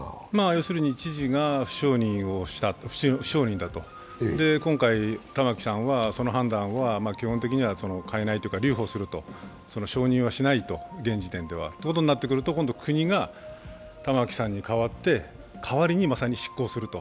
要するに知事が不承認だと、今回玉城さんはその判断は変えない留保すると、現時点では承認はしないということになってくると、今度、国が玉城さんに代わってまさに執行すると。